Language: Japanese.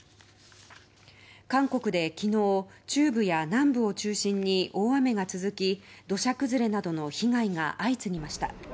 韓国で昨日、中部や南部を中心に大雨が続き土砂崩れなどの被害が相次ぎました。